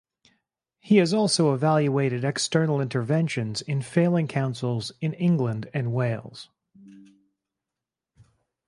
He has also evaluated external interventions in failing councils in England and Wales.